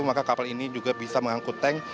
maka kapal ini juga bisa mengangkut tank